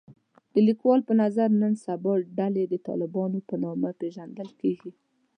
د لیکوال په نظر نن سبا ډلې د طالبانو په نامه پېژندل کېږي